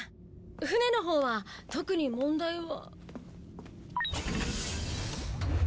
船のほうは特に問題は。